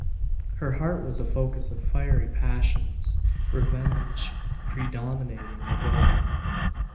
Her heart was a focus of fiery passions, revenge predominating over all.